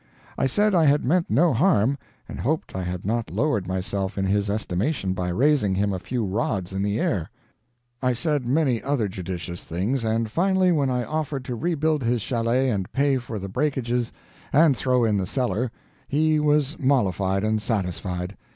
I said I had meant no harm, and hoped I had not lowered myself in his estimation by raising him a few rods in the air. I said many other judicious things, and finally when I offered to rebuild his chalet, and pay for the breakages, and throw in the cellar, he was mollified and satisfied.